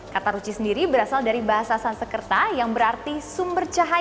kata ruci sendiri berasal dari bahasa sansekerta yang berarti sumber cahaya